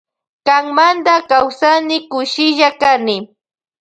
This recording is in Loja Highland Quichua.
Kanmanta kawsani kushilla kani.